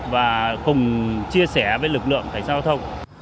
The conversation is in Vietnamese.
và cùng chia sẻ với lực lượng cảnh sát giao thông